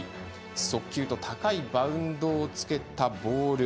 速球と高いバウンドをつけたボール。